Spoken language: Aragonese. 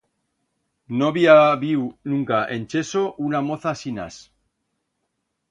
No bi ha habiu nunca en Echo una moza asinas?